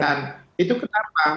dan itu kenapa